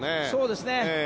そうですね。